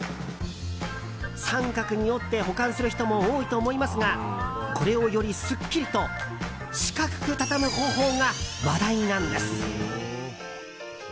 三角に折って保管する人も多いと思いますがこれを、よりすっきりと四角く畳む方法が話題なんです。